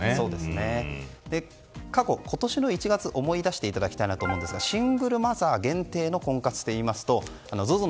過去、今年の１月思い出していただきたいなと思うんですがシングルマザー限定の婚活といいますとＺＯＺＯ